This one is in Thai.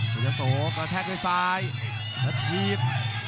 เป็นเจ้าโสว์กระแทกด้วยซ้ายและทีบ